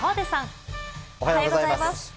おはようございます。